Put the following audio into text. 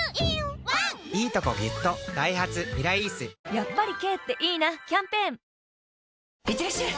やっぱり軽っていいなキャンペーンいってらっしゃい！